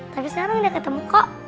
tapi sekarang udah ketemu kok